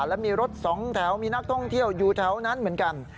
และมีรถสองแถวมีนักท่องเที่ยวอยู่แถวนั้นเหมือนกัน